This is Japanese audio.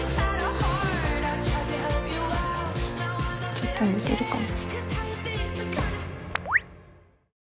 ちょっと似てるかも。